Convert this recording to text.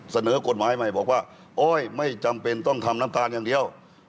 เสนอกฎหมายใหม่บอกว่าโอ๊ยไม่จำเป็นต้องทำน้ำตาลอย่างเดียว